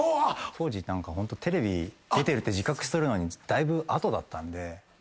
当時ホントテレビ出てるって自覚するのにだいぶ後だったんで。